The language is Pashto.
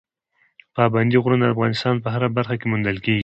پابندي غرونه د افغانستان په هره برخه کې موندل کېږي.